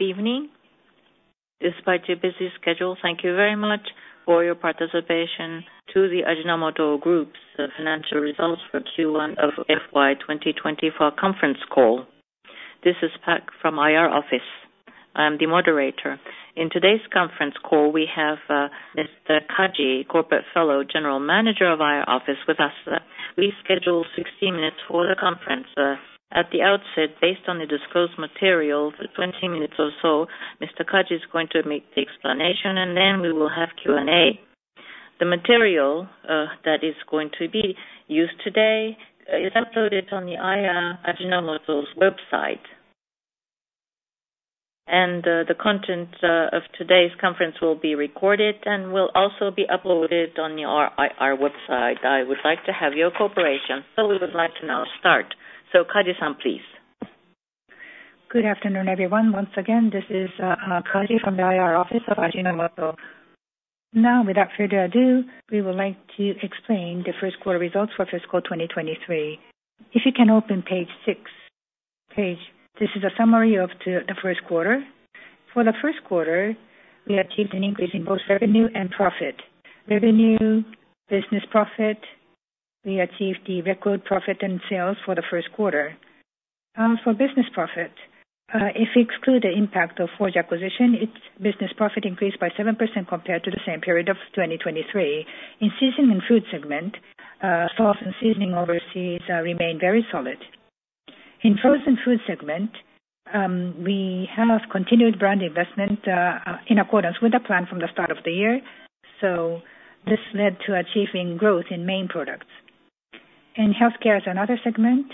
Good evening. Despite your busy schedule, thank you very much for your participation to the Ajinomoto Group's financial results for Q1 of FY 2024 conference call. This is Pak from IR office. I'm the moderator. In today's conference call, we have Mr. Kaji, Corporate Fellow, General Manager of IR office with us. We schedule 60 minutes for the conference. At the outset, based on the disclosed material, for 20 minutes or so, Mr. Kaji is going to make the explanation, and then we will have Q&A. The material that is going to be used today is uploaded on the IR Ajinomoto's website. The content of today's conference will be recorded and will also be uploaded on the IR website. I would like to have your cooperation, so we would like to now start. So Kaji-san, please. Good afternoon, everyone. Once again, this is Kaji from the IR office of Ajinomoto. Now, without further ado, we would like to explain the first quarter results for fiscal 2023. If you can open page 6, please. This is a summary of the first quarter. For the first quarter, we achieved an increase in both revenue and profit. Revenue, business profit, we achieved the record profit and sales for the first quarter. For business profit, if we exclude the impact of Forge acquisition, its business profit increased by 7% compared to the same period of 2023. In seasoning food segment, sauce and seasoning overseas remained very solid. In frozen food segment, we have continued brand investment in accordance with the plan from the start of the year, so this led to achieving growth in main products. In healthcare, another segment,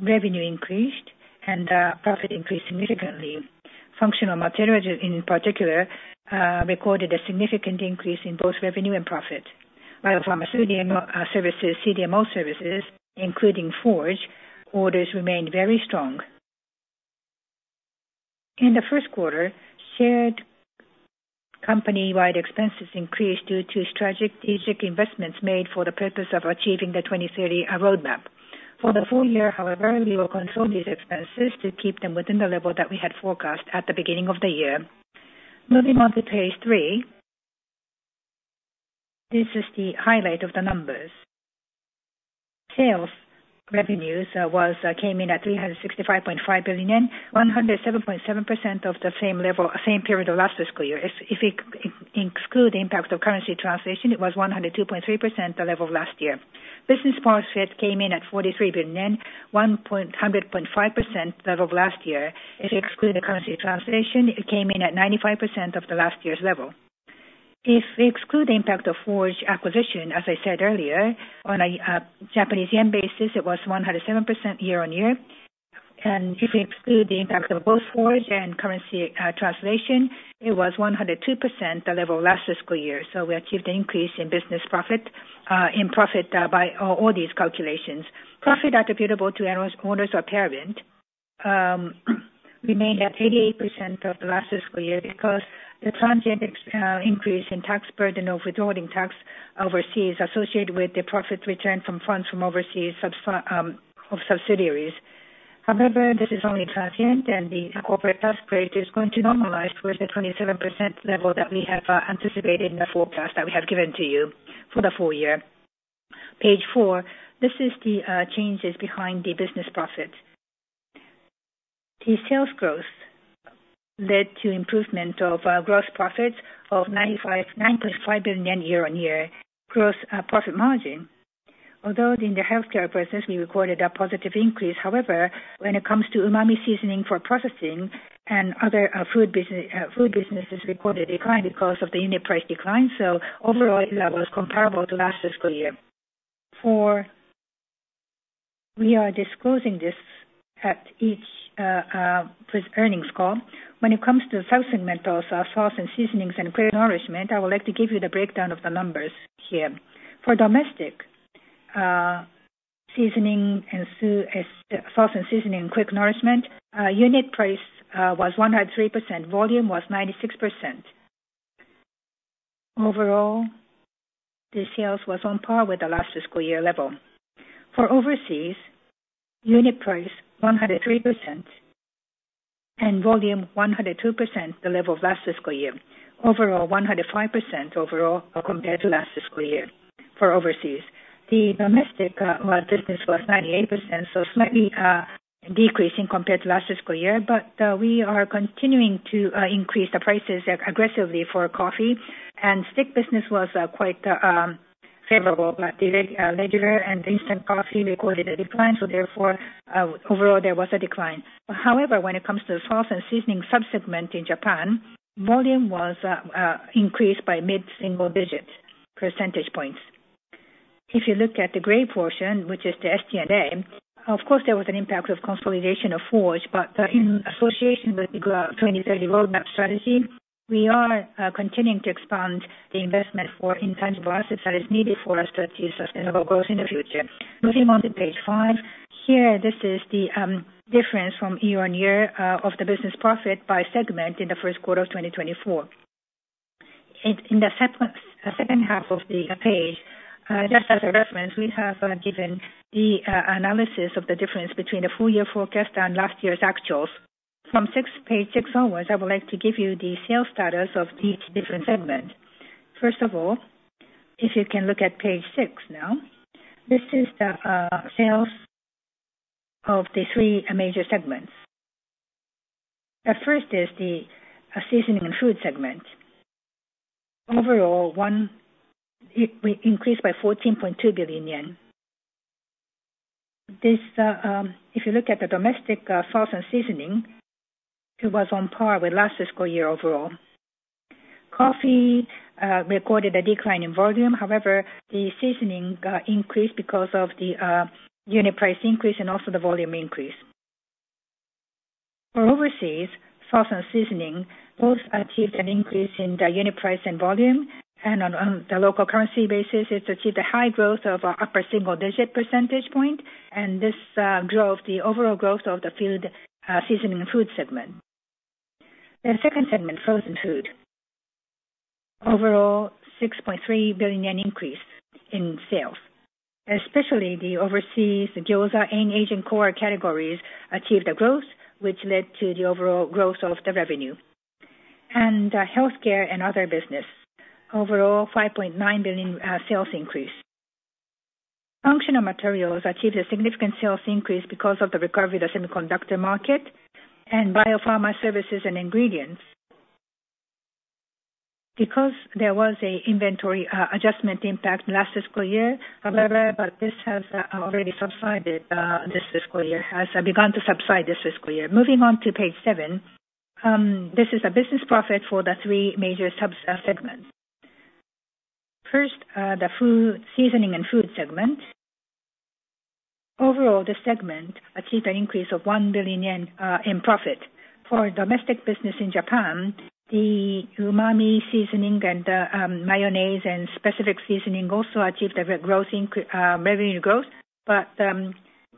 revenue increased and profit increased significantly. Functional materials, in particular, recorded a significant increase in both revenue and profit, while pharmaceutical services, CDMO services, including Forge, orders remained very strong. In the first quarter, shared company-wide expenses increased due to strategic investments made for the purpose of achieving the 2030 Roadmap. For the full year, however, we will control these expenses to keep them within the level that we had forecast at the beginning of the year. Moving on to page three. This is the highlight of the numbers. Sales revenues came in at 365.5 billion yen, 107.7% of the same period of last fiscal year. If we exclude the impact of currency translation, it was 102.3% the level of last year. Business profit came in at 43 billion, 100.5% level of last year. If you exclude the currency translation, it came in at 95% of the last year's level. If we exclude the impact of Forge acquisition, as I said earlier, on a Japanese yen basis, it was 107% year-on-year. And if we exclude the impact of both Forge and currency translation, it was 102% the level of last fiscal year. So we achieved an increase in business profit, in profit, by all these calculations. Profit attributable to owners of parent remained at 88% of last fiscal year because the transient increase in tax burden of withholding tax overseas associated with the profit return from funds from overseas subsidiaries. However, this is only transient, and the corporate tax rate is going to normalize towards the 27% level that we have anticipated in the forecast that we have given to you for the full year. Page four. This is the changes behind the business profit. The sales growth led to improvement of gross profit of 9.5 billion yen year-on-year gross profit margin. Although in the healthcare process, we recorded a positive increase. However, when it comes to umami seasoning for processing and other food businesses recorded a decline because of the unit price decline, so overall level is comparable to last fiscal year. We are disclosing this at each this earnings call. When it comes to sales segments, sauce and seasonings and Quick Nourishment, I would like to give you the breakdown of the numbers here. For domestic, seasoning and sauce and seasoning, Quick Nourishment, unit price was 103%, volume was 96%. Overall, the sales was on par with the last fiscal year level. For overseas, unit price 103% and volume 102% the level of last fiscal year. Overall, 105% overall, compared to last fiscal year for overseas. The domestic, well, business was 98%, so slightly decreasing compared to last fiscal year. But we are continuing to increase the prices aggressively for coffee, and stick business was quite favorable, but the regular and instant coffee recorded a decline, so therefore overall there was a decline. However, when it comes to sauce and seasoning sub-segment in Japan, volume was increased by mid-single digit percentage points. If you look at the gray portion, which is the SG&A, of course there was an impact of consolidation of Forge, but in association with the 2030 Roadmap strategy, we are continuing to expand the investment for intangible assets that is needed for us to achieve sustainable growth in the future. Moving on to page five. Here, this is the difference from year-on-year of the business profit by segment in the first quarter of 2024.... In the second half of the page, just as a reference, we have given the analysis of the difference between the full year forecast and last year's actuals. From page six onwards, I would like to give you the sales status of each different segment. First of all, if you can look at page six now, this is the sales of the three major segments. The first is the seasoning and food segment. Overall, it increased by JPY 14.2 billion. This, if you look at the domestic sauce and seasoning, it was on par with last fiscal year overall. Coffee recorded a decline in volume. However, the seasoning increased because of the unit price increase and also the volume increase. For overseas, sauce and seasoning both achieved an increase in the unit price and volume, and on the local currency basis, it achieved a high growth of upper single-digit percentage point, and this drove the overall growth of the food seasoning and food segment. The second segment, frozen food. Overall, 6.3 billion yen increase in sales, especially the overseas, the gyoza and Asian core categories achieved a growth, which led to the overall growth of the revenue. And, healthcare and other business, overall, 5.9 billion sales increase. Functional Materials achieved a significant sales increase because of the recovery of the semiconductor market and biopharma services and ingredients. Because there was an inventory adjustment impact last fiscal year, however, but this has already subsided this fiscal year, has begun to subside this fiscal year. Moving on to page 7, this is business profit for the three major sub-segments. First, the food, seasoning, and frozen food segment. Overall, the segment achieved an increase of 1 billion yen in profit. For domestic business in Japan, the umami seasoning and mayonnaise and specific seasoning also achieved revenue growth, but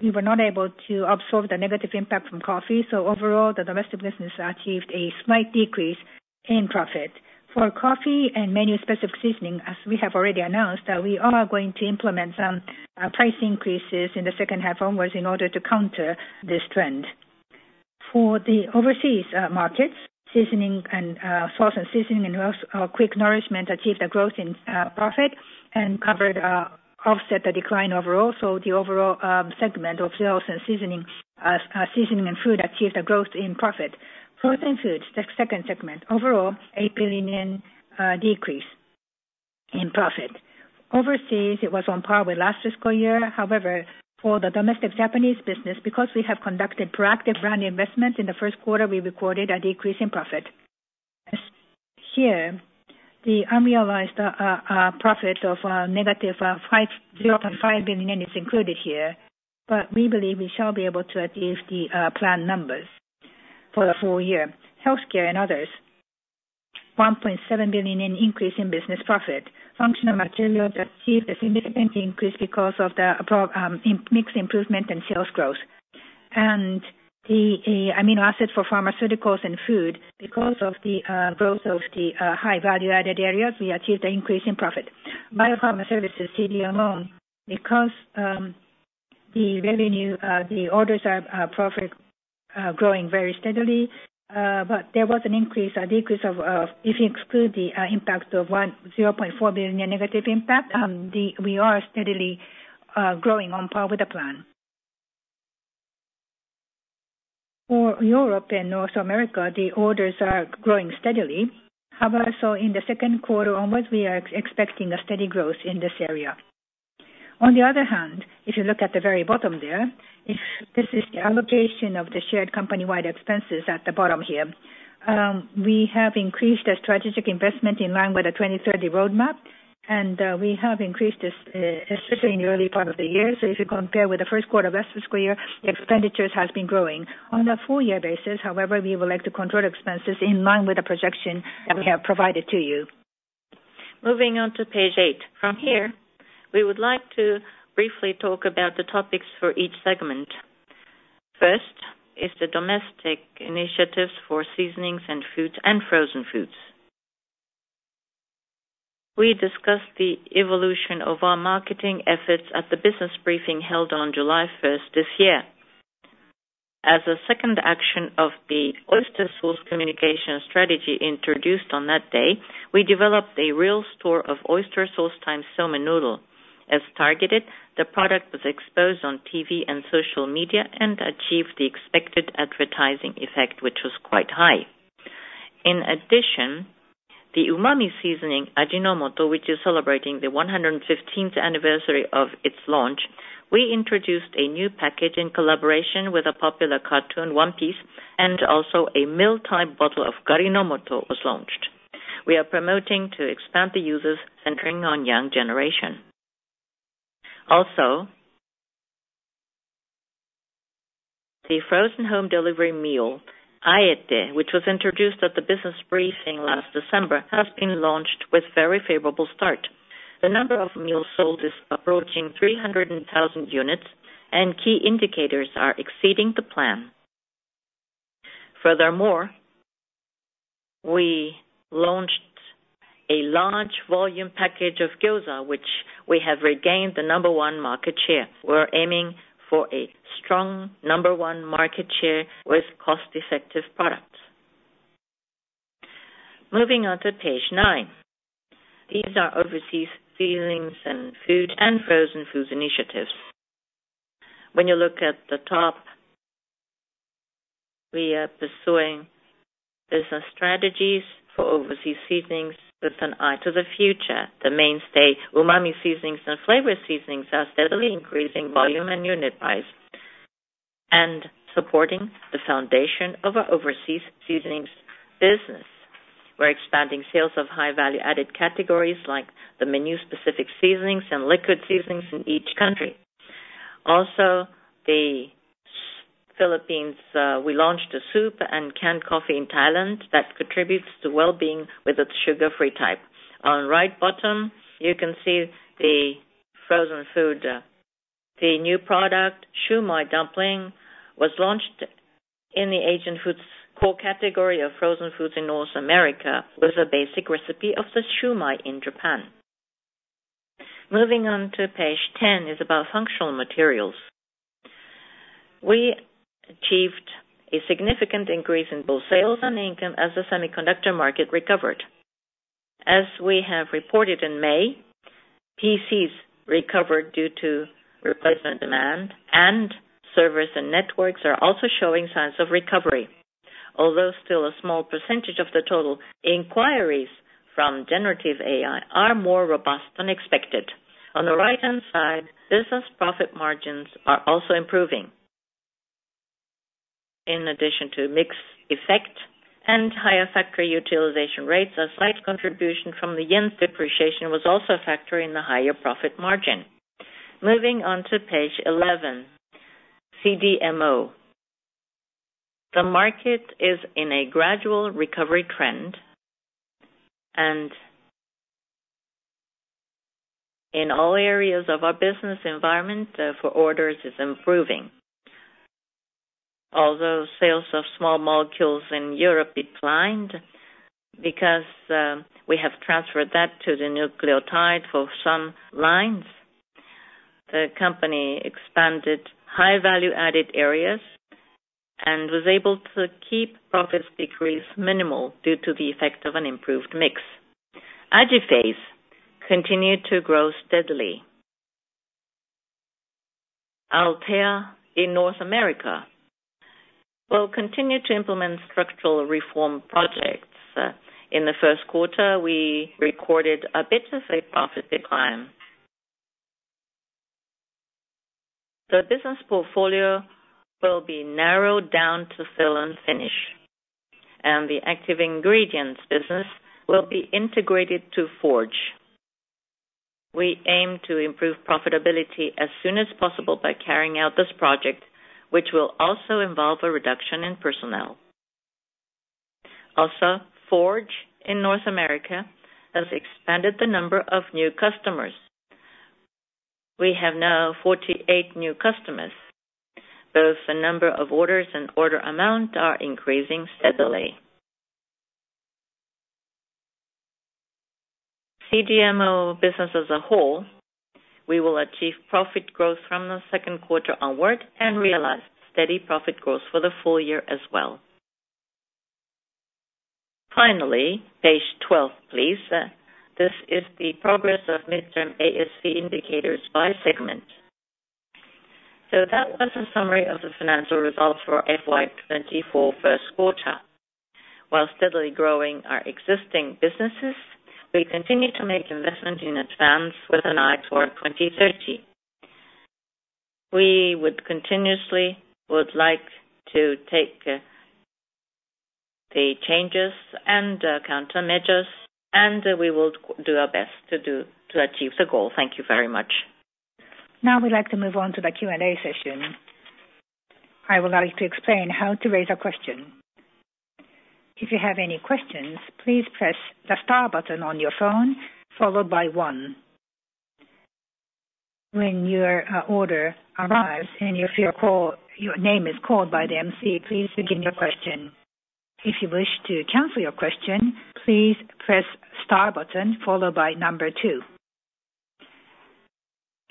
we were not able to absorb the negative impact from coffee. So overall, the domestic business achieved a slight decrease in profit. For coffee and menu-specific seasoning, as we have already announced, that we are going to implement some price increases in the second half onwards in order to counter this trend. For the overseas markets, seasoning and sauce and seasoning and also Quick Nourishment achieved a growth in profit and covered offset the decline overall. So the overall segment of sales and seasoning seasoning and food achieved a growth in profit. Frozen foods, the second segment. Overall, 8 billion decrease in profit. Overseas, it was on par with last fiscal year. However, for the domestic Japanese business, because we have conducted proactive brand investment in the first quarter, we recorded a decrease in profit. Here, the unrealized profit of -0.5 billion yen is included here, but we believe we shall be able to achieve the planned numbers for the full year. Healthcare and others, 1.7 billion increase in business profit. Functional materials achieved a significant increase because of the price-mix improvement in sales growth. The amino acids for pharmaceuticals and food, because of the growth of the high-value-added areas, we achieved an increase in profit. Biopharma services CDMO, because the revenue, the orders, and profit are growing very steadily, but there was an increase, a decrease of, if you exclude the impact of 10.4 billion negative impact, we are steadily growing on par with the plan. For Europe and North America, the orders are growing steadily. However, in the second quarter onwards, we are expecting a steady growth in this area. On the other hand, if you look at the very bottom there, if this is the allocation of the shared company-wide expenses at the bottom here, we have increased our strategic investment in line with the 2030 Roadmap, and we have increased this, especially in the early part of the year. So if you compare with the first quarter of last fiscal year, the expenditures has been growing. On a full year basis, however, we would like to control expenses in line with the projection that we have provided to you. Moving on to page 8. From here, we would like to briefly talk about the topics for each segment. First is the domestic initiatives for seasonings and foods and frozen foods. We discussed the evolution of our marketing efforts at the business briefing held on July 1 this year. As a second action of the oyster sauce communication strategy introduced on that day, we developed a real store of oyster sauce times soba noodle. As targeted, the product was exposed on TV and social media and achieved the expected advertising effect, which was quite high. In addition, the umami seasoning, AJI-NO-MOTO, which is celebrating the 115th anniversary of its launch, we introduced a new package in collaboration with a popular cartoon, One Piece, and also a meal type bottle of AJI-NO-MOTO was launched. We are promoting to expand the users centering on young generation. Also... The frozen home delivery meal, Aete, which was introduced at the business briefing last December, has been launched with very favorable start. The number of meals sold is approaching 300,000 units, and key indicators are exceeding the plan. Furthermore, we launched a large volume package of gyoza, which we have regained the number one market share. We're aiming for a strong number one market share with cost-effective products. Moving on to page nine. These are overseas seasonings and food and frozen foods initiatives. When you look at the top, we are pursuing business strategies for overseas seasonings with an eye to the future. The mainstay umami seasonings and flavor seasonings are steadily increasing volume and unit price, and supporting the foundation of our overseas seasonings business. We're expanding sales of high value-added categories like the menu-specific seasonings and liquid seasonings in each country. Also, the Philippines, we launched a soup and canned coffee in Thailand that contributes to well-being with its sugar-free type. On the right bottom, you can see the frozen food. The new product, shumai dumpling, was launched in the Asian foods core category of frozen foods in North America, with a basic recipe of the shumai in Japan. Moving on to page 10 is about functional materials. We achieved a significant increase in both sales and income as the semiconductor market recovered. As we have reported in May, PCs recovered due to replacement demand, and servers and networks are also showing signs of recovery. Although still a small percentage of the total, inquiries from generative AI are more robust than expected. On the right-hand side, business profit margins are also improving. In addition to mix effect and higher factory utilization rates, a slight contribution from the yen's depreciation was also a factor in the higher profit margin. Moving on to page 11, CDMO. The market is in a gradual recovery trend, and in all areas of our business environment for orders is improving. Although sales of small molecules in Europe declined because we have transferred that to the nucleotide for some lines, the company expanded high value-added areas and was able to keep profits decrease minimal due to the effect of an improved mix. AJIPHASE continued to grow steadily. Althea in North America will continue to implement structural reform projects. In the first quarter, we recorded a bit of a profit decline. The business portfolio will be narrowed down to fill and finish, and the active ingredients business will be integrated to Forge. We aim to improve profitability as soon as possible by carrying out this project, which will also involve a reduction in personnel. Also, Forge in North America has expanded the number of new customers. We have now 48 new customers. Both the number of orders and order amount are increasing steadily. CDMO business as a whole, we will achieve profit growth from the second quarter onward and realize steady profit growth for the full year as well. Finally, page 12, please. This is the progress of midterm ASV indicators by segment. So that was a summary of the financial results for FY 2024 first quarter. While steadily growing our existing businesses, we continue to make investment in advance with an eye toward 2030. We would continuously like to take the changes and counter measures, and we will do our best to achieve the goal. Thank you very much. Now we'd like to move on to the Q&A session. I would like to explain how to raise a question. If you have any questions, please press the star button on your phone, followed by one. When your order arrives and if your call, your name is called by the MC, please begin your question. If you wish to cancel your question, please press star button, followed by number two.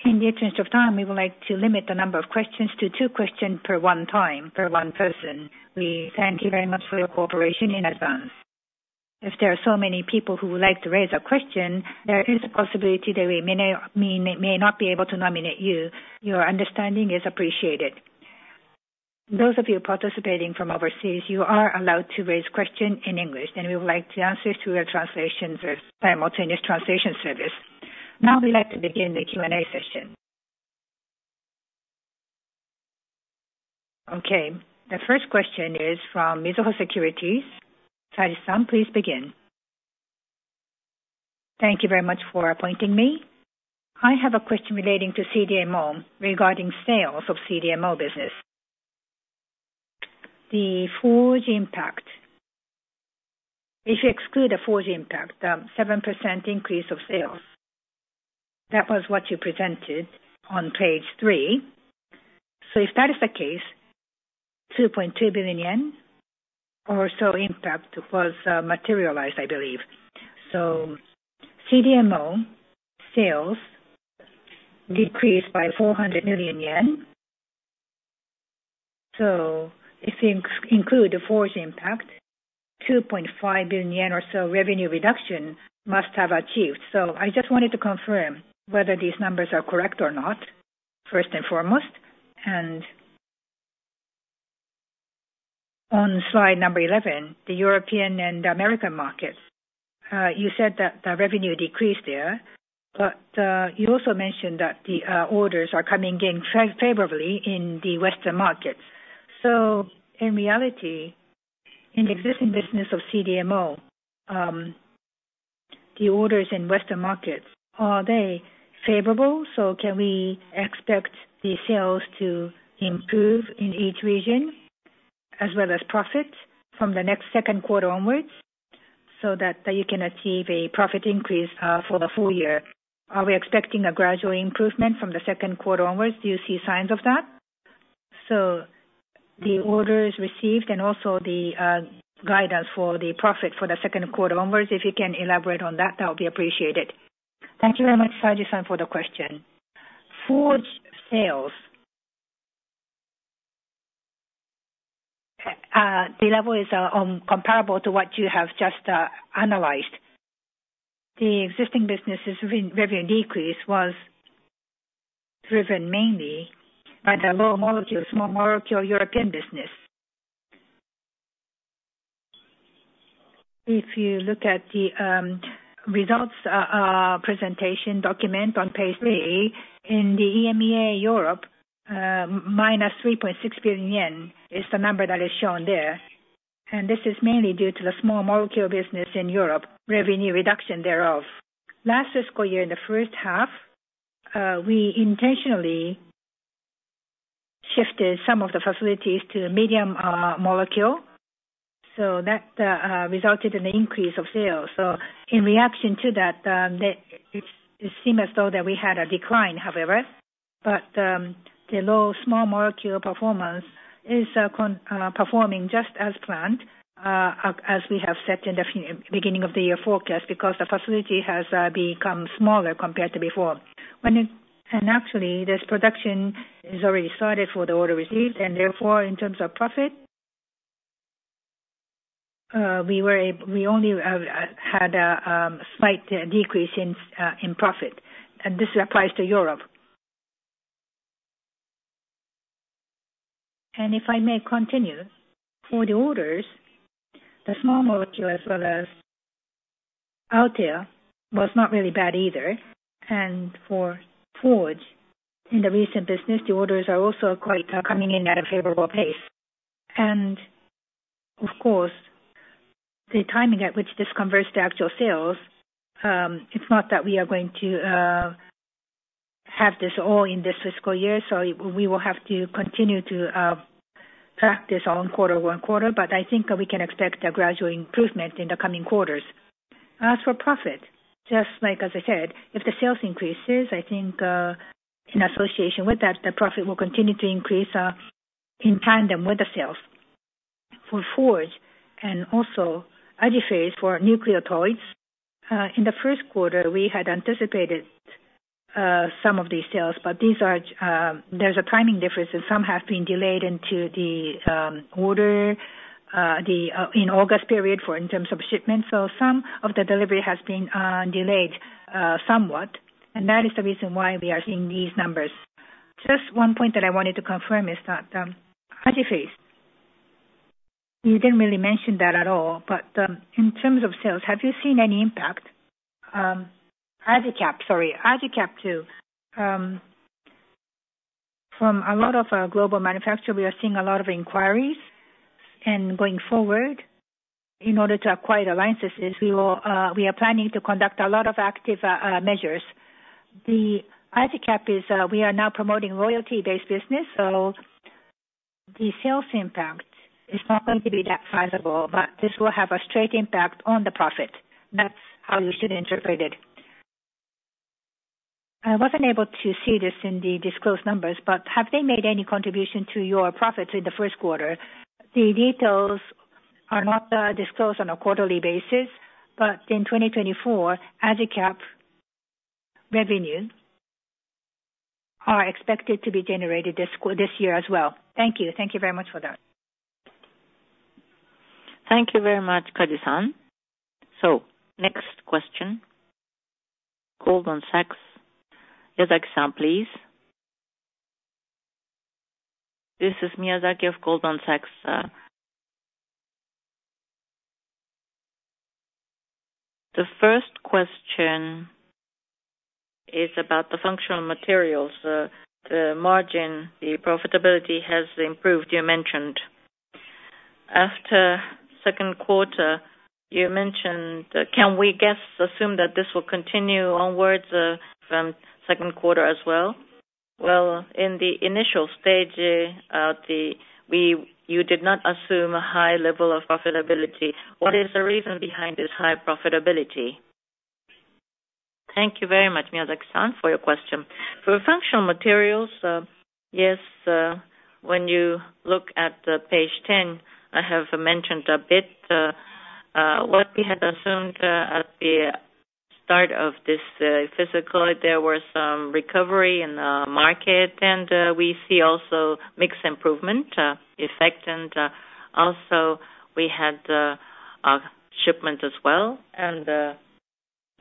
In the interest of time, we would like to limit the number of questions to two questions per one time, per one person. We thank you very much for your cooperation in advance. If there are so many people who would like to raise a question, there is a possibility that we may not be able to nominate you. Your understanding is appreciated. Those of you participating from overseas, you are allowed to raise question in English, and we would like to answer through our translations or simultaneous translation service. Now, we'd like to begin the Q&A session. Okay, the first question is from Mizuho Securities. Hiroshi Saji, please begin. Thank you very much for appointing me. I have a question relating to CDMO, regarding sales of CDMO business. The Forge impact, if you exclude the Forge impact, the 7% increase of sales, that was what you presented on page three. So if that is the case, 2.2 billion yen or so impact was materialized, I believe. So CDMO sales decreased by JPY 400 million. So if you include the Forge impact, 2.5 billion yen or so revenue reduction must have achieved. So I just wanted to confirm whether these numbers are correct or not, first and foremost. And on slide number 11, the European and American markets, you said that the revenue decreased there, but you also mentioned that the orders are coming in favorably in the Western markets. So in reality, in the existing business of CDMO, the orders in Western markets, are they favorable? So can we expect the sales to improve in each region as well as profit from the next second quarter onwards, so that you can achieve a profit increase for the full year? Are we expecting a gradual improvement from the second quarter onwards? Do you see signs of that? So the orders received and also the guidance for the profit for the second quarter onwards, if you can elaborate on that, that would be appreciated. Thank you very much, Kaji-san, for the question. Forge sales, the level is comparable to what you have just analyzed. The existing businesses revenue decrease was driven mainly by the small molecule European business. If you look at the results presentation document on page 3, in the EMEA Europe, -3.6 billion yen is the number that is shown there. And this is mainly due to the small molecule business in Europe, revenue reduction thereof. Last fiscal year, in the first half, we intentionally shifted some of the facilities to the middle molecule, so that resulted in an increase of sales. So in reaction to that, it seemed as though that we had a decline, however, but, the low small molecule performance is performing just as planned, as we have set in the beginning of the year forecast, because the facility has become smaller compared to before. When it... And actually, this production is already started for the order received, and therefore, in terms of profit, we only had a slight decrease in profit, and this applies to Europe. And if I may continue, for the orders, the small molecule as well as Althea was not really bad either, and for Forge, in the recent business, the orders are also quite coming in at a favorable pace. Of course, the timing at which this converts to actual sales, it's not that we are going to have this all in this fiscal year, so we will have to continue to track this on quarter by quarter. But I think that we can expect a gradual improvement in the coming quarters. As for profit, just like as I said, if the sales increases, I think, in association with that, the profit will continue to increase, in tandem with the sales. For Forge and also AJIPHASE for nucleotides, in the first quarter, we had anticipated some of these sales, but these are, there's a timing difference, and some have been delayed into the order in August period for in terms of shipments. So some of the delivery has been delayed somewhat, and that is the reason why we are seeing these numbers. Just one point that I wanted to confirm is that, AJIPHASE, you didn't really mention that at all, but in terms of sales, have you seen any impact? AJICAP, sorry, AJICAP too. From a lot of our global manufacturer, we are seeing a lot of inquiries. And going forward, in order to acquire alliances, is we will, we are planning to conduct a lot of active measures. The AJICAP is, we are now promoting royalty-based business, so the sales impact is not going to be that sizable, but this will have a straight impact on the profit. That's how you should interpret it. I wasn't able to see this in the disclosed numbers, but have they made any contribution to your profits in the first quarter? The details are not disclosed on a quarterly basis, but in 2024, AJICAP revenues are expected to be generated this year as well. Thank you. Thank you very much for that. Thank you very much, Kaji-san. So next question, Goldman Sachs, Miyazaki-san, please. This is Miyazaki of Goldman Sachs. The first question is about the functional materials. The margin, the profitability has improved, you mentioned. After second quarter, you mentioned, can we guess, assume that this will continue onwards from second quarter as well? Well, in the initial stage, you did not assume a high level of profitability. What is the reason behind this high profitability? Thank you very much, Miyazaki-san, for your question. For functional materials, yes, when you look at the page 10, I have mentioned a bit, what we had assumed at the start of this fiscal year, there were some recovery in the market, and we see also mixed improvement effect. And also we had our shipment as well, and the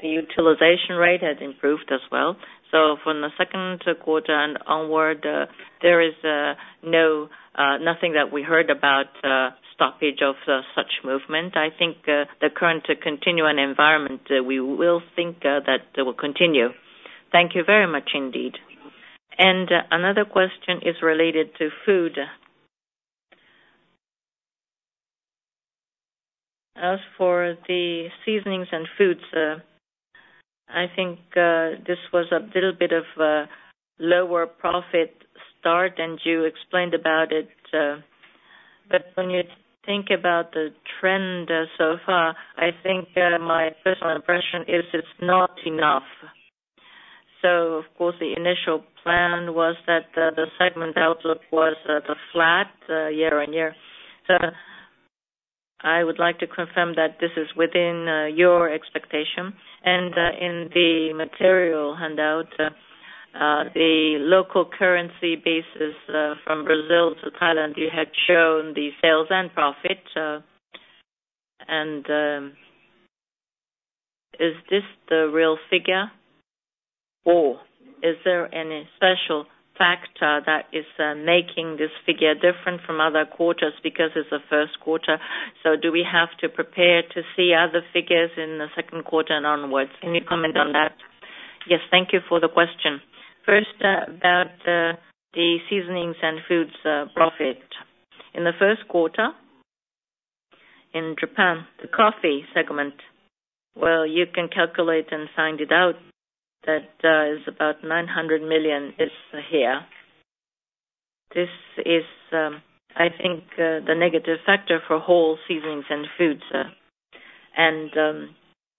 utilization rate had improved as well. So from the second quarter and onward, there is no nothing that we heard about stoppage of such movement. I think the current continuing environment, we will think that will continue. Thank you very much indeed. And another question is related to food. As for the seasonings and foods, I think this was a little bit of a lower profit start, and you explained about it. But when you think about the trend so far, I think my personal impression is it's not enough. So of course, the initial plan was that the segment outlook was flat year-over-year. So I would like to confirm that this is within your expectation. In the material handout, the local currency basis, from Brazil to Thailand, you had shown the sales and profit. Is this the real figure, or is there any special factor that is making this figure different from other quarters because it's the first quarter? Do we have to prepare to see other figures in the second quarter and onwards? Can you comment on that? Yes, thank you for the question. First, about the seasonings and foods profit. In the first quarter, in Japan, the coffee segment, well, you can calculate and find it out that it's about 900 million is here. This is, I think, the negative factor for whole seasonings and foods.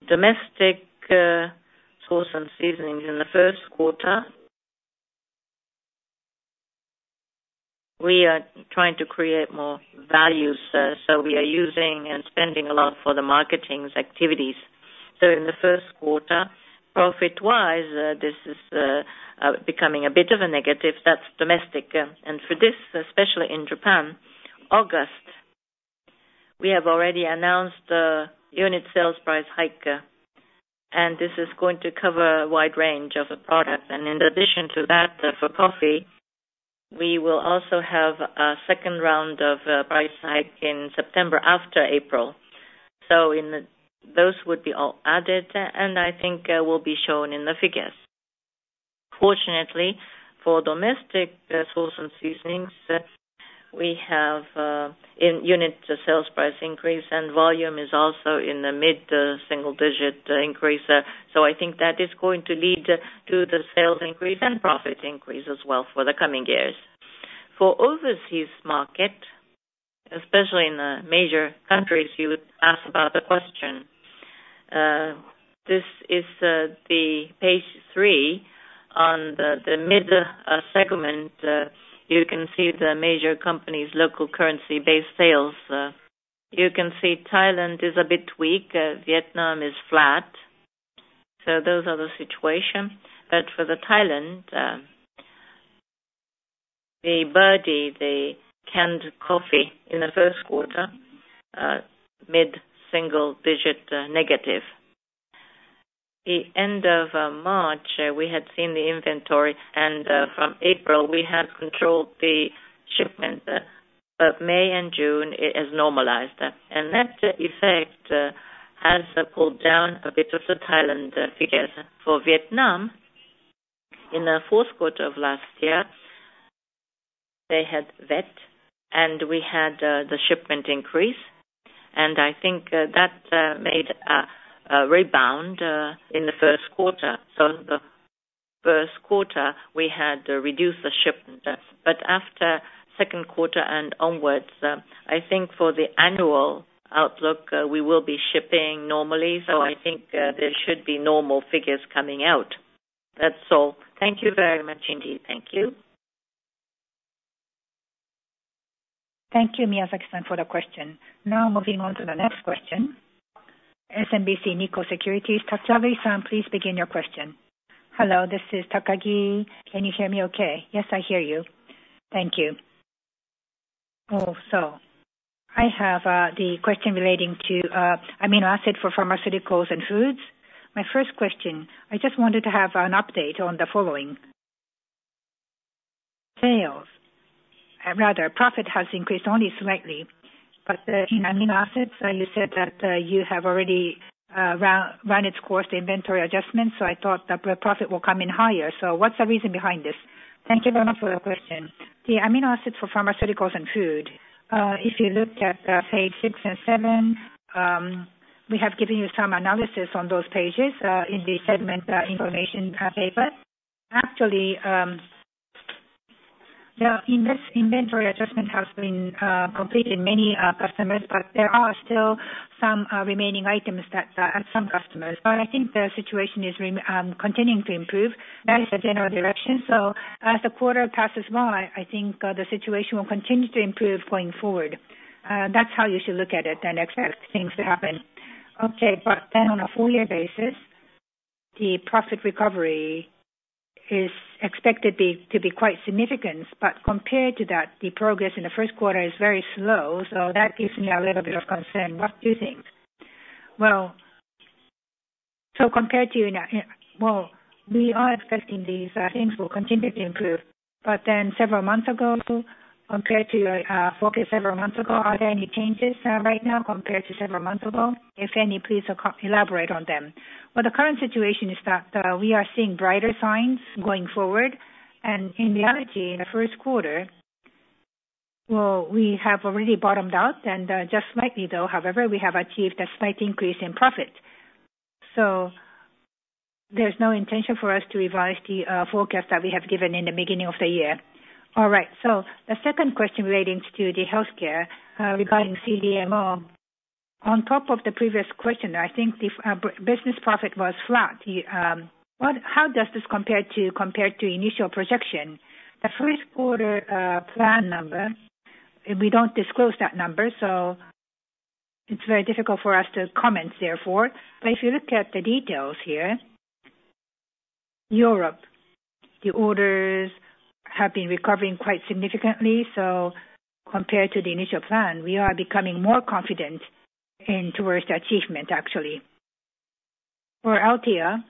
Domestic sauce and seasonings in the first quarter, we are trying to create more values, so we are using and spending a lot for the marketing activities. So in the first quarter, profit-wise, this is becoming a bit of a negative. That's domestic. And for this, especially in Japan, August, we have already announced a unit sales price hike, and this is going to cover a wide range of the product. And in addition to that, for coffee, we will also have a second round of price hike in September after April. So those would be all added, and I think will be shown in the figures. Fortunately, for domestic sauce and seasonings, we have in unit sales price increase, and volume is also in the mid single digit increase. So I think that is going to lead to the sales increase and profit increase as well for the coming years. For overseas market, especially in the major countries, you would ask about the question. This is the page three. On the mid segment, you can see the major companies' local currency-based sales. You can see Thailand is a bit weak, Vietnam is flat. So those are the situation. But for Thailand, the Birdy, the canned coffee in the first quarter, mid-single digit negative. The end of March, we had seen the inventory, and from April, we had controlled the shipment. But May and June, it has normalized. And that effect has pulled down a bit of the Thailand figures. For Vietnam, in the fourth quarter of last year, they had VAT, and we had the shipment increase, and I think that made a rebound in the first quarter. So the first quarter, we had to reduce the shipments. But after second quarter and onwards, I think for the annual outlook, we will be shipping normally. So I think there should be normal figures coming out. That's all. Thank you very much indeed. Thank you. Thank you, Miyazaki-san, for the question. Now moving on to the next question. SMBC Nikko Securities, Takagi-san, please begin your question. Hello, this is Takagi. Can you hear me okay? Yes, I hear you. Thank you. Oh, so I have the question relating to amino acid for pharmaceuticals and foods. My first question, I just wanted to have an update on the following. Sales, rather, profit has increased only slightly, but the amino acids, you said that you have already run its course inventory adjustment, so I thought that the profit will come in higher. So what's the reason behind this? Thank you very much for your question. The amino acids for pharmaceuticals and food, if you look at page 6 and 7, we have given you some analysis on those pages, in the segment information paper. Actually, the inventory adjustment has been completed in many customers, but there are still some remaining items that at some customers. But I think the situation is continuing to improve. That is the general direction. So as the quarter passes by, I think the situation will continue to improve going forward. That's how you should look at it and expect things to happen. Okay. But then on a full year basis, the profit recovery is expected to be quite significant, but compared to that, the progress in the first quarter is very slow, so that gives me a little bit of concern. What do you think? Well, so compared to in, in Well, we are expecting these things will continue to improve. But then several months ago, compared to your focus several months ago, are there any changes right now compared to several months ago? If any, please elaborate on them. Well, the current situation is that we are seeing brighter signs going forward. And in reality, in the first quarter, well, we have already bottomed out, and just slightly though, however, we have achieved a slight increase in profit. So there's no intention for us to revise the forecast that we have given in the beginning of the year. All right. So the second question relating to the healthcare regarding CDMO. On top of the previous question, I think the business profit was flat. The, what, how does this compare to, compare to initial projection? The first quarter plan number, we don't disclose that number, so it's very difficult for us to comment therefore. But if you look at the details here, Europe, the orders have been recovering quite significantly, so compared to the initial plan, we are becoming more confident in towards the achievement, actually. For Althea,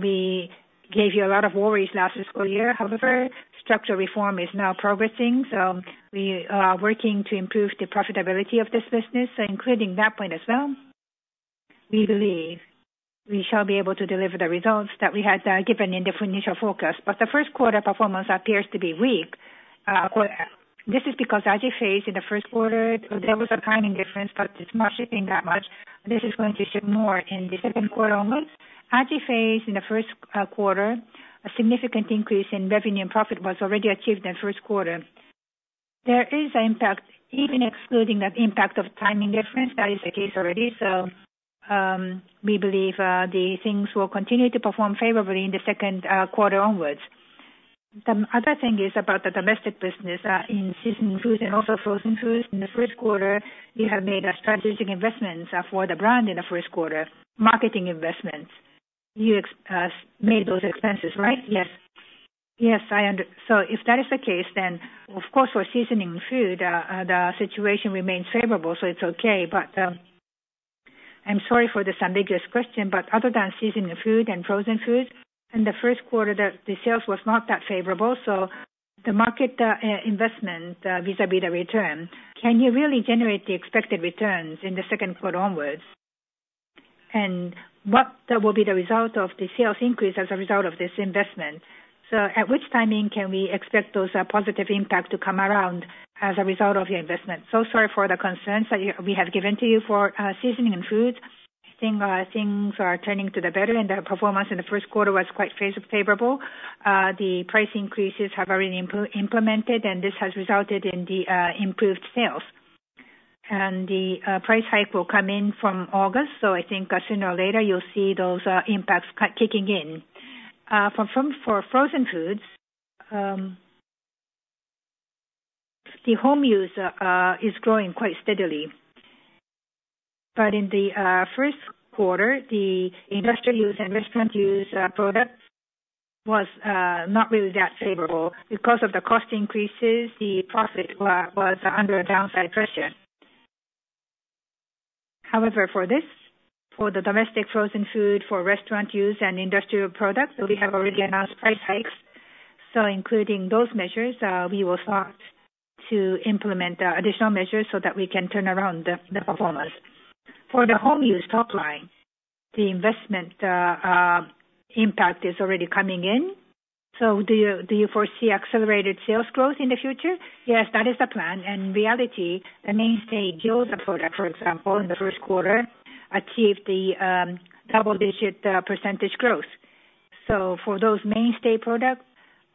we gave you a lot of worries last fiscal year. However, structural reform is now progressing, so we are working to improve the profitability of this business, including that point as well. We believe we shall be able to deliver the results that we had given in the initial forecast. But the first quarter performance appears to be weak. This is because AJIPHASE in the first quarter, there was a timing difference, but it's not shipping that much. This is going to ship more in the second quarter onwards. AJIPHASE in the first quarter, a significant increase in revenue and profit was already achieved in the first quarter. There is an impact, even excluding that impact of timing difference, that is the case already. So, we believe the things will continue to perform favorably in the second quarter onwards. The other thing is about the domestic business in seasoning foods and also frozen foods. In the first quarter, we have made a strategic investment for the brand in the first quarter. Marketing investments. You made those expenses, right? Yes. Yes, so if that is the case, then of course, for seasoning food, the situation remains favorable, so it's okay. But, I'm sorry for this ambiguous question, but other than seasoning food and frozen foods, in the first quarter, the sales was not that favorable. So the market, investment, vis-a-vis the return, can you really generate the expected returns in the second quarter onwards? And what will be the result of the sales increase as a result of this investment? So at which timing can we expect those positive impact to come around as a result of your investment? So sorry for the concerns that we have given to you for, seasoning and foods. I think, things are turning to the better, and the performance in the first quarter was quite favorable. The price increases have already implemented, and this has resulted in the, improved sales. And the, price hike will come in from August, so I think, sooner or later, you'll see those, impacts kicking in. From for frozen foods, the home use is growing quite steadily. But in the first quarter, the industrial use and restaurant use product was not really that favorable. Because of the cost increases, the profit was under a downside pressure. However, for this, for the domestic frozen food, for restaurant use and industrial products, we have already announced price hikes. So including those measures, we will start to implement additional measures so that we can turn around the performance. For the home use top line, the investment impact is already coming in. So do you foresee accelerated sales growth in the future? Yes, that is the plan. And in reality, the mainstay gyoza product, for example, in the first quarter, achieved the double-digit percentage growth. So for those mainstay products,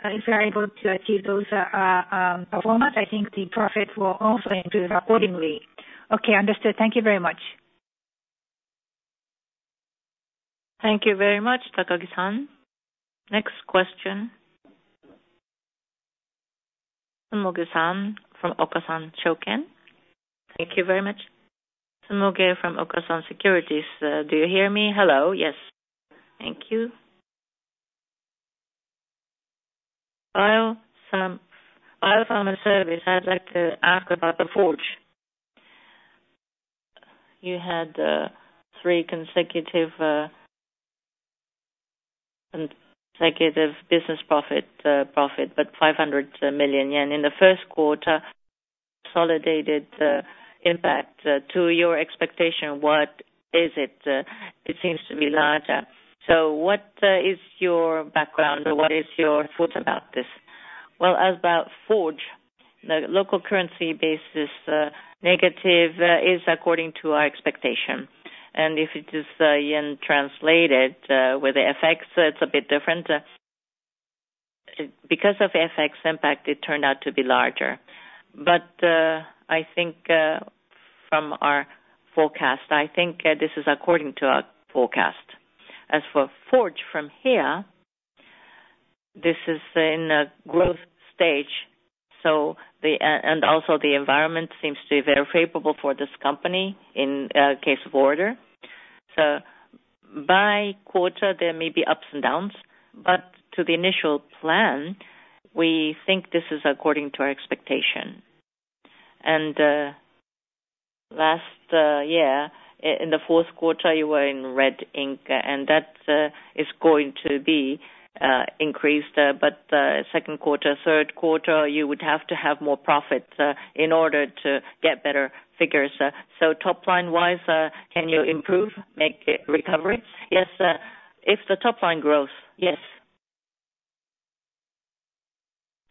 if we are able to achieve those performance, I think the profit will also improve accordingly. Okay, understood. Thank you very much. Thank you very much, Takagi-san. Next question. Sumugi-san from Okasan Shokuhin. Thank you very much. Sumugi from Okasan Securities. Do you hear me? Hello? Yes. Thank you. I'll start my service. I'd like to ask about the Forge. You had three consecutive business profit, but 500 million yen. In the first quarter, consolidated impact to your expectation, what is it? It seems to be larger. So what is your background, or what is your thoughts about this? Well, as about Forge, the local currency basis, negative, is according to our expectation. And if it is yen translated with the FX, it's a bit different. Because of FX impact, it turned out to be larger. But I think from our forecast, I think this is according to our forecast. As for Forge, from here, this is in a growth stage, so and also the environment seems to be very favorable for this company in case of order. So by quarter, there may be ups and downs, but to the initial plan, we think this is according to our expectation. And last year, in the fourth quarter, you were in red ink, and that is going to be increased. But second quarter, third quarter, you would have to have more profits in order to get better figures. So top line wise, can you improve, make a recovery? Yes, sir. If the top line grows, yes.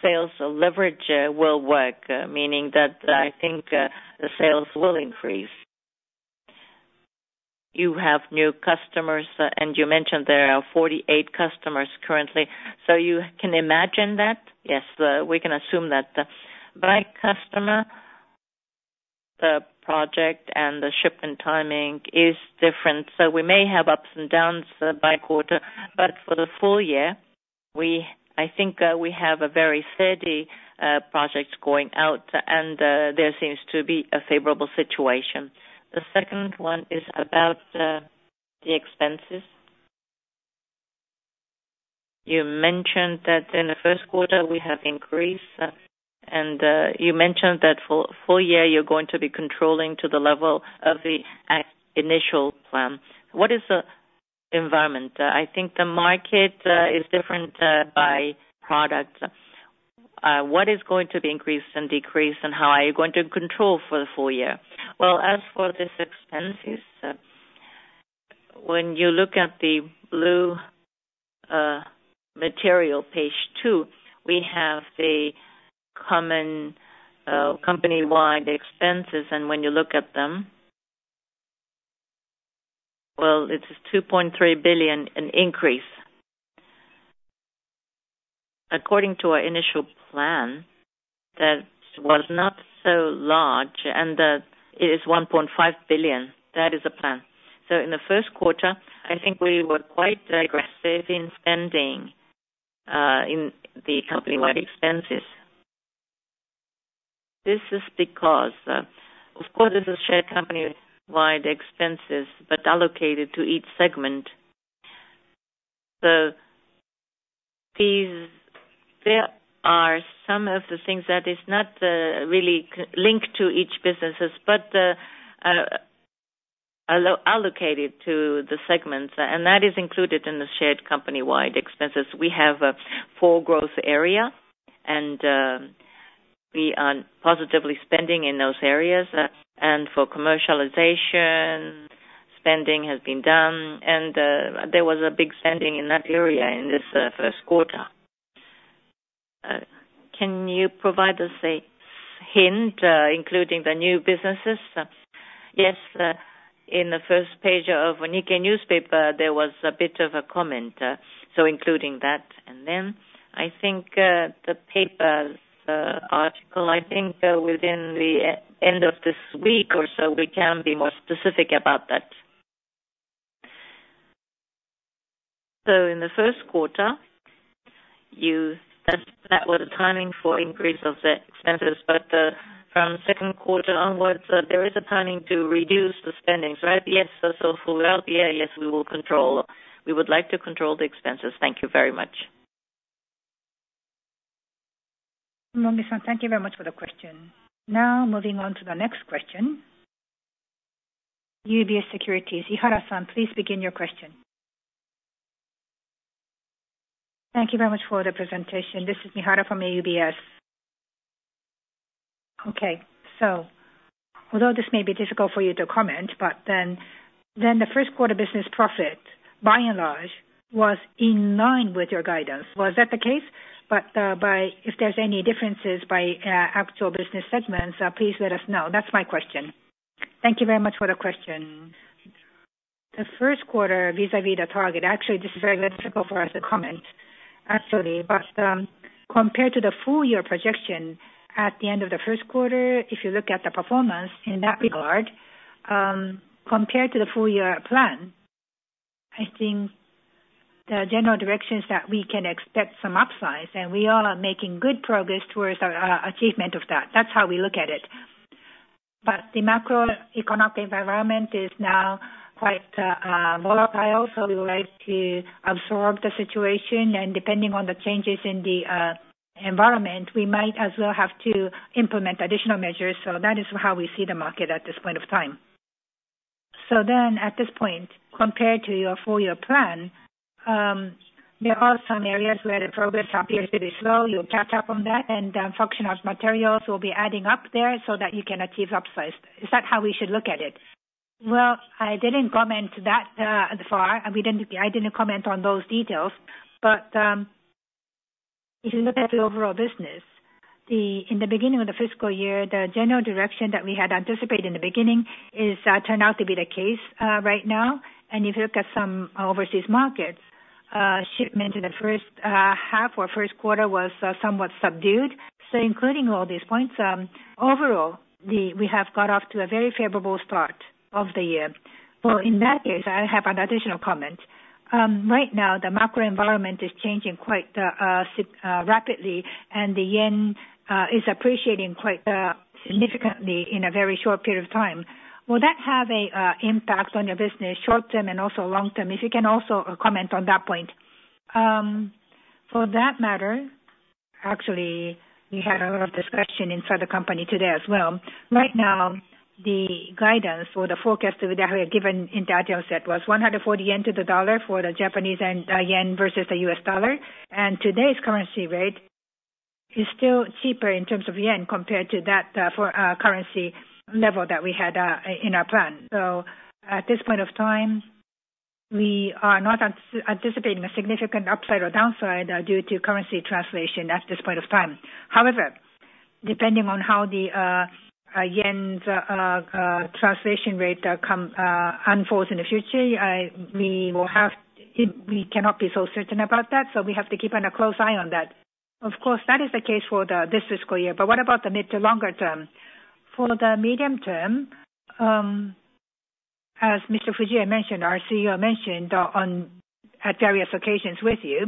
Sales leverage will work, meaning that I think the sales will increase. You have new customers, and you mentioned there are 48 customers currently, so you can imagine that? Yes, we can assume that. By customer, the project and the shipment timing is different, so we may have ups and downs by quarter, but for the full year, we, I think, we have a very steady project going out, and there seems to be a favorable situation. The second one is about the expenses. You mentioned that in the first quarter, we have increased, and you mentioned that for full year, you're going to be controlling to the level of the initial plan. What is the environment? I think the market is different by product. What is going to be increased and decreased, and how are you going to control for the full year? Well, as for this expenses, when you look at the blue material, page two, we have the common company-wide expenses, and when you look at them. Well, it's JPY 2.3 billion in increase. According to our initial plan, that was not so large, and it is 1.5 billion. That is the plan. So in the first quarter, I think we were quite aggressive in spending in the company-wide expenses. This is because, of course, this is shared company-wide expenses, but allocated to each segment. These, there are some of the things that is not really closely linked to each businesses, but allocated to the segments, and that is included in the shared company-wide expenses. We have four growth areas, and we are positively spending in those areas. For commercialization, spending has been done, and there was a big spending in that area in this first quarter. Can you provide us a hint, including the new businesses? Yes, in the first page of Nikkei newspaper, there was a bit of a comment, so including that. And then I think, the paper, article, I think, within the end of this week or so, we can be more specific about that. So in the first quarter, you, that, that was the timing for increase of the expenses, but, from second quarter onwards, there is a planning to reduce the spendings, right? Yes. So throughout the year, yes, we will control. We would like to control the expenses. Thank you very much. Sumugi-san, thank you very much for the question. Now, moving on to the next question. UBS Securities, Ihara-san, please begin your question. Thank you very much for the presentation. This is Ihara from UBS. Okay, so although this may be difficult for you to comment, but then, then the first quarter business profit, by and large, was in line with your guidance. Was that the case? But, by, if there's any differences by, actual business segments, please let us know. That's my question. Thank you very much for the question. The first quarter, vis-a-vis the target, actually, this is very difficult for us to comment, actually. But, compared to the full year projection at the end of the first quarter, if you look at the performance in that regard, compared to the full year plan, I think the general directions that we can expect some upsides, and we all are making good progress towards our, achievement of that. That's how we look at it. But the macroeconomic environment is now quite, volatile, so we would like to absorb the situation, and depending on the changes in the, environment, we might as well have to implement additional measures. So that is how we see the market at this point of time. So then, at this point, compared to your full year plan, there are some areas where the progress appears to be slow. You'll catch up on that, and Functional Materials will be adding up there so that you can achieve upsides. Is that how we should look at it? Well, I didn't comment that far, and we didn't, I didn't comment on those details, but if you look at the overall business, in the beginning of the fiscal year, the general direction that we had anticipated in the beginning is turned out to be the case right now. And if you look at some overseas markets, shipment in the first half or first quarter was somewhat subdued. So including all these points, overall, we have got off to a very favorable start of the year. Well, in that case, I have an additional comment. Right now, the macro environment is changing quite rapidly, and the yen is appreciating quite significantly in a very short period of time. Will that have a impact on your business short term and also long term? If you can also comment on that point. For that matter, actually, we had a lot of discussion inside the company today as well. Right now, the guidance or the forecast that we have given in detail set was 140 yen to the dollar for the Japanese yen, yen versus the US dollar. And today's currency rate is still cheaper in terms of yen compared to that, for currency level that we had in our plan. So at this point of time, we are not anticipating a significant upside or downside due to currency translation at this point of time. However, depending on how the yen's translation rate unfolds in the future, we cannot be so certain about that, so we have to keep a close eye on that. Of course, that is the case for this fiscal year, but what about the mid- to longer term? For the medium term, as Mr. Fujie mentioned, our CEO mentioned at various occasions with you,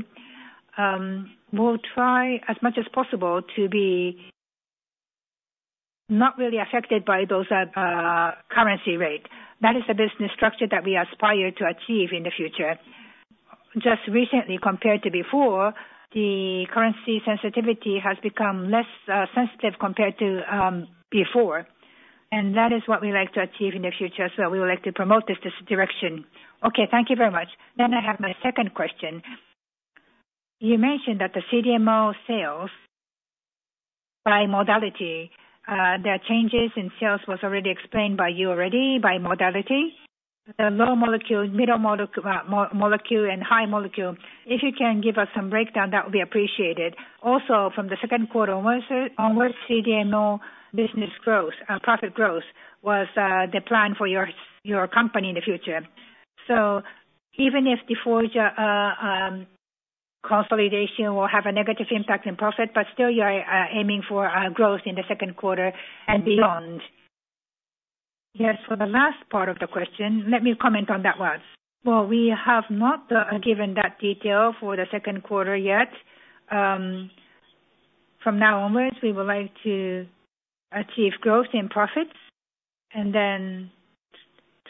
we'll try as much as possible to be not really affected by those currency rate. That is the business structure that we aspire to achieve in the future. Just recently, compared to before, the currency sensitivity has become less sensitive compared to before, and that is what we like to achieve in the future. So we would like to promote this direction. Okay, thank you very much. Then I have my second question. You mentioned that the CDMO sales by modality, the changes in sales was already explained by you already by modality, the small molecule, middle molecule, and high molecule. If you can give us some breakdown, that would be appreciated. Also, from the second quarter onwards, CDMO business growth, profit growth, was the plan for your company in the future. So even if the Forge consolidation will have a negative impact in profit, but still you are aiming for growth in the second quarter and beyond. Yes. For the last part of the question, let me comment on that one. Well, we have not given that detail for the second quarter yet. From now onwards, we would like to achieve growth in profits and then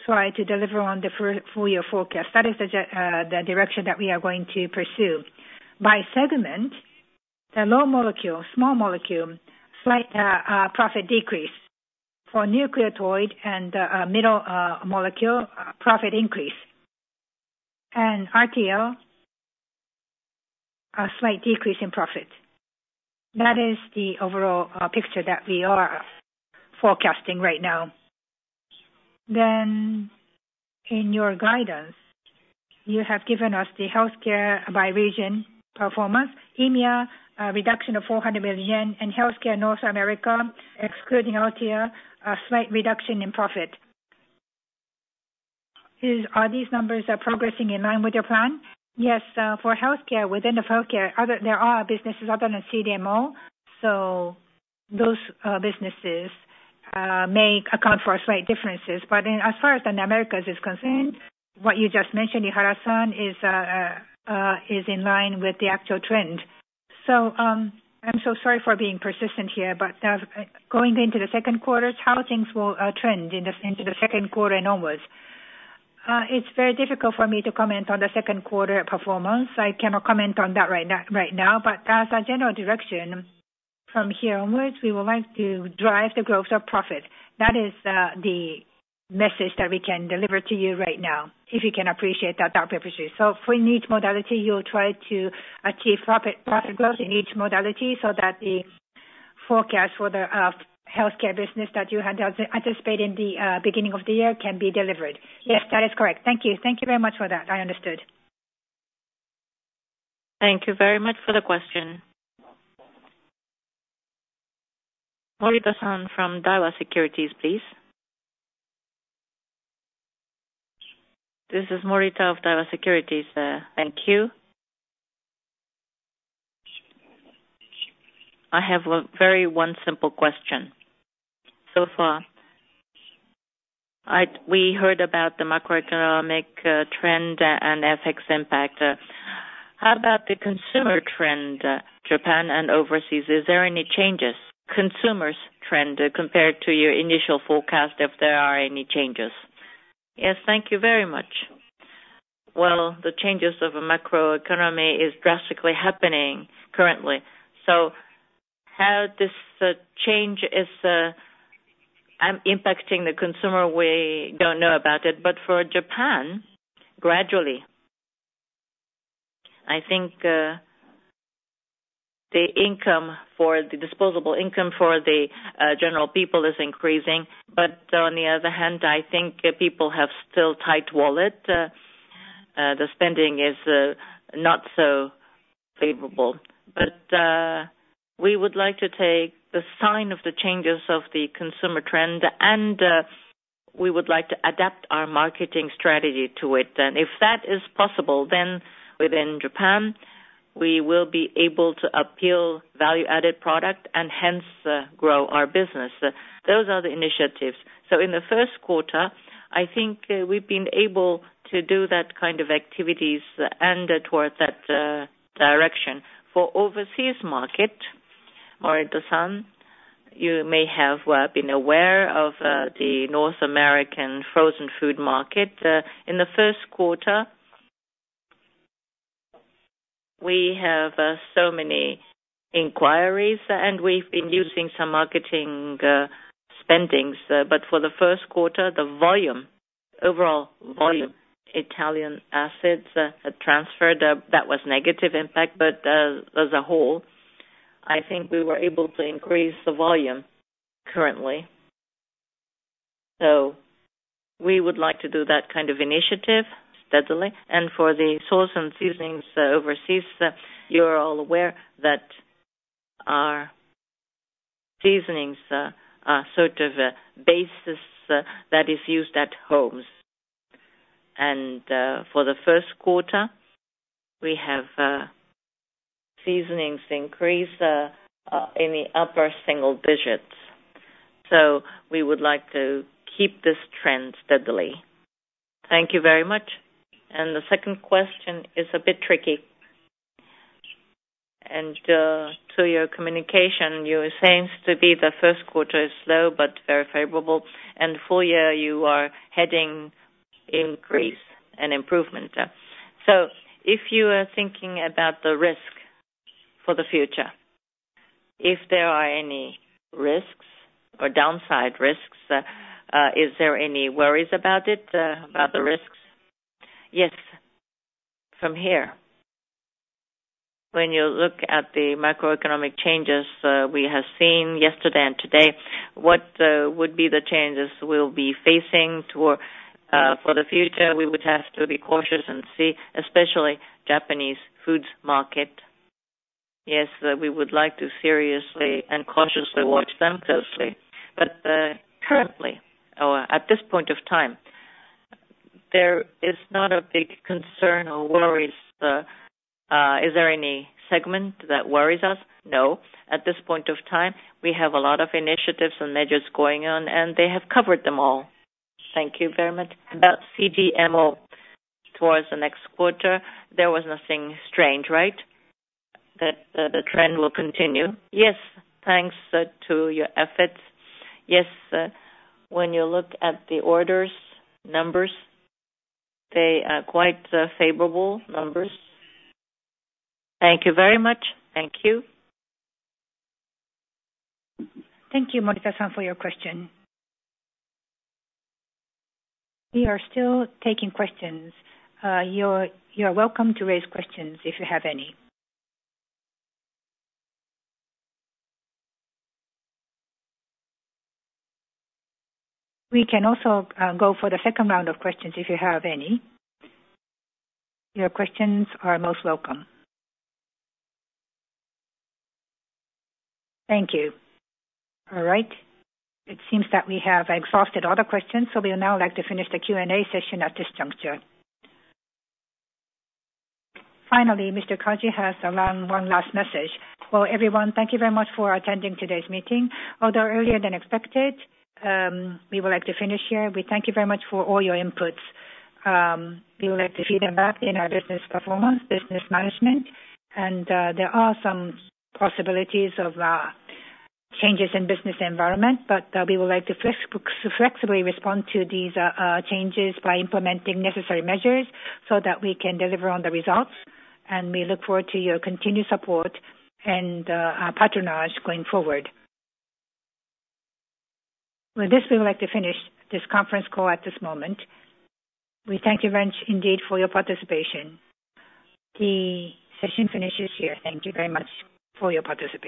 try to deliver on the full year forecast. That is the direction that we are going to pursue. By segment, the small molecule, slight profit decrease. For nucleotide and middle molecule, profit increase. And Althea, a slight decrease in profit. That is the overall picture that we are forecasting right now. Then in your guidance, you have given us the healthcare by region performance. EMEA, a reduction of 400 million yen, and healthcare North America, excluding Althea, a slight reduction in profit. Are these numbers progressing in line with your plan? Yes, for healthcare, within the healthcare other, there are businesses other than CDMO, so those businesses may account for a slight differences. But then as far as the Americas is concerned, what you just mentioned, Ihara-san, is in line with the actual trend. So, I'm so sorry for being persistent here, but going into the second quarter, how things will trend into the second quarter and onwards? It's very difficult for me to comment on the second quarter performance. I cannot comment on that right now, right now, but as a general direction, from here onwards, we would like to drive the growth of profit. That is the message that we can deliver to you right now, if you can appreciate that, that perspective. So for each modality, you'll try to achieve profit, profit growth in each modality so that the forecast for the healthcare business that you had anticipated in the beginning of the year can be delivered? Yes, that is correct. Thank you. Thank you very much for that. I understood. Thank you very much for the question. Morita-san from Daiwa Securities, please. This is Morita of Daiwa Securities. Thank you. I have a very one simple question. So far, I, we heard about the macroeconomic trend and FX impact. How about the consumer trend, Japan and overseas? Is there any changes, consumers trend, compared to your initial forecast, if there are any changes? Yes, thank you very much. Well, the changes of a macroeconomy is drastically happening currently. So how this change is impacting the consumer, we don't know about it. But for Japan, gradually I think, the income for the disposable income for the, general people is increasing. But on the other hand, I think people have still tight wallet. The spending is not so favorable. But we would like to take the sign of the changes of the consumer trend, and we would like to adapt our marketing strategy to it. And if that is possible, then within Japan, we will be able to appeal value-added product and hence, grow our business. Those are the initiatives. So in the first quarter, I think, we've been able to do that kind of activities and towards that, direction. For overseas market, Morita-san, you may have been aware of, the North American frozen food market. In the first quarter, we have so many inquiries, and we've been using some marketing spending. But for the first quarter, the volume, overall volume, Italian assets transferred, that was negative impact, but as a whole, I think we were able to increase the volume currently. So we would like to do that kind of initiative steadily. And for the sauce and seasonings overseas, you are all aware that our seasonings are sort of a basis that is used at homes. And for the first quarter, we have seasonings increase in the upper single digits. So we would like to keep this trend steadily. Thank you very much. And the second question is a bit tricky. To your communication, you seem to be the first quarter is low but very favorable, and full year you are heading increase and improvement. So if you are thinking about the risk for the future, if there are any risks or downside risks, is there any worries about it, about the risks? Yes. From here, when you look at the macroeconomic changes, we have seen yesterday and today, would be the changes we'll be facing toward, for the future. We would have to be cautious and see, especially Japanese foods market. Yes, we would like to seriously and cautiously watch them closely. But, currently, or at this point of time, there is not a big concern or worries. Is there any segment that worries us? No. At this point of time, we have a lot of initiatives and measures going on, and they have covered them all. Thank you very much. About CDMO, towards the next quarter, there was nothing strange, right? That, the trend will continue. Yes, thanks, to your efforts. Yes, when you look at the orders numbers, they are quite, favorable numbers. Thank you very much. Thank you. Thank you, Morita-san, for your question. We are still taking questions. You're welcome to raise questions if you have any. We can also go for the second round of questions, if you have any. Your questions are most welcome. Thank you. All right. It seems that we have exhausted all the questions, so we would now like to finish the Q&A session at this juncture. Finally, Mr. Kaji has allowed one last message. Well, everyone, thank you very much for attending today's meeting. Although earlier than expected, we would like to finish here. We thank you very much for all your inputs. We would like to feed them back in our business performance, business management, and there are some possibilities of changes in business environment, but we would like to flexibly respond to these changes by implementing necessary measures so that we can deliver on the results. We look forward to your continued support and patronage going forward. With this, we would like to finish this conference call at this moment. We thank you very much indeed for your participation. The session finishes here. Thank you very much for your participation.